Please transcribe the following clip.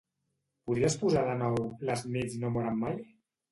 Podries posar de nou "Les nits no moren mai"?